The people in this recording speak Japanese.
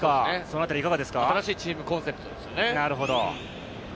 新しいチームコンセプトですよね。